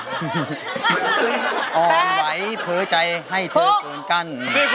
อ่อนไหวเผลอใจให้เธอเกินกั้น